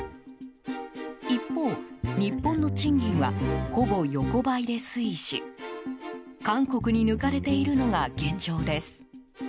一方、日本の賃金はほぼ横ばいで推移し韓国に抜かれているのが現状です。